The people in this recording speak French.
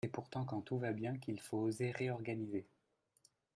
C’est pourtant quand tout va bien qu’il faut oser réorganiser.